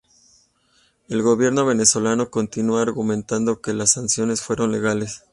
El gobierno venezolano continúa argumentando que las sanciones fueron legales.